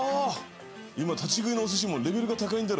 今立ち食いのおすしもレベルが高いんだろ。